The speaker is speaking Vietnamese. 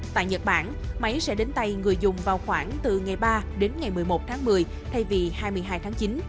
tại nhật bản máy sẽ đến tay người dùng vào khoảng từ ngày ba đến ngày một mươi một tháng một mươi thay vì hai mươi hai tháng chín